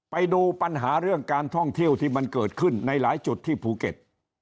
ไปดูปัญหาเรื่องการท่องเที่ยวที่มันเกิดขึ้นในหลายจุดที่ภูเก็ต